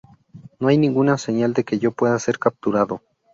No hay ninguna señal de que yo pueda ser capturado...